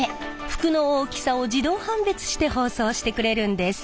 服の大きさを自動判別して包装してくれるんです。